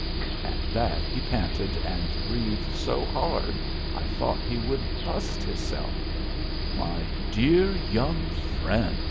At that he panted and breathed so hard I thought he would bust hisself. "My dear young friend!"